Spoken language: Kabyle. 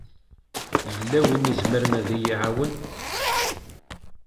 Yella win i izemren ad yi-iɛawen?